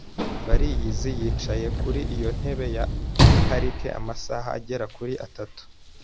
Bariyizi yicaye kuri iyo ntebe ya parike amasaha agera kuri atatu.